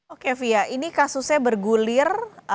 oke fia ini kasusnya bergulir